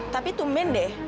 tapi tumben deh